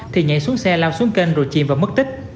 thì nhảy xuống xe lao xuống kênh rồi chìm và mất tích